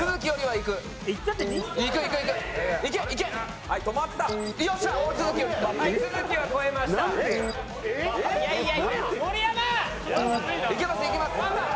いけますいけます。